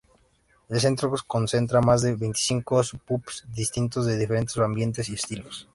El centro concentra más de veinticinco pubs distintos, de diferentes ambientes y estilos.